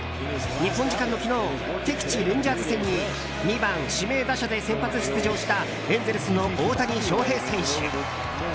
日本時間の昨日敵地レンジャーズ戦に２番指名打者で先発出場したエンゼルスの大谷翔平選手。